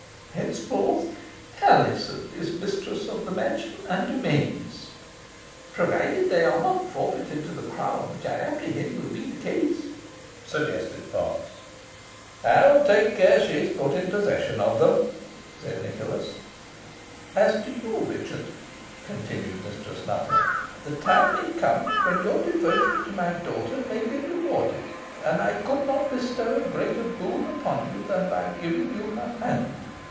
Henceforth Alizon is mistress of the mansion and domains." "Provided always they are not forfeited to the crown, which I apprehend will be the case," suggested Potts. "I will take care she is put in possession of them," said Nicholas. "As to you, Richard," continued Mistress Nutter, "the time may come when your devotion to my daughter may be rewarded and I could not bestow a greater boon upon you than by giving you her hand.